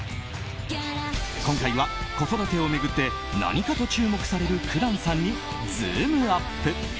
今回は、子育てを巡って何かと注目される紅蘭さんにズームＵＰ！